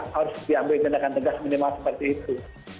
harus diambil tindakan tegas minimal seperti itu